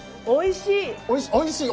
おいしい！